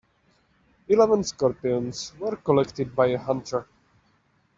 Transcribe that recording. Eleven scorpions were collected by a hunter.